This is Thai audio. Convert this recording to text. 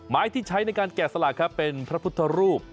ไม้ที่ใช้ในการแกะสลักครับเป็นพระพุทธรูป